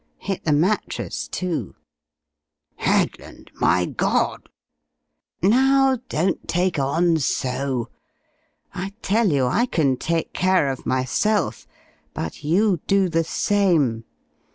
Hit the mattress, too!" "Headland, my God !" "Now, don't take on so. I tell you I can take care of myself, but you do the same.